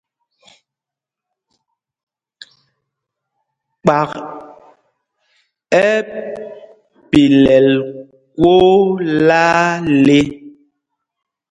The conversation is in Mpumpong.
Kpak ɛ́ ɛ́ pilɛ kwóó laa le.